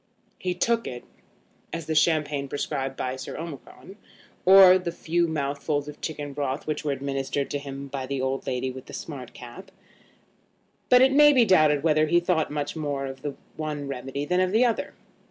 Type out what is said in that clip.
He took it, as the champagne prescribed by Sir Omicron, or the few mouthfuls of chicken broth which were administered to him by the old lady with the smart cap; but it may be doubted whether he thought much more of the one remedy than of the other.